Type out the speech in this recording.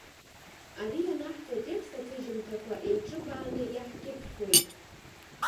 Ара ианаҳҵо атекст аҭыжьымҭақәа еиҿыбааны иаҳкьыԥхьуеит.